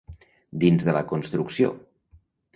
Dins de la construcció.